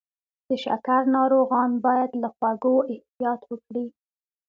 د شکر ناروغان باید له خوږو احتیاط وکړي.